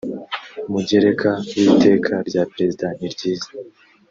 mugereka w iteka rya perezida niryiza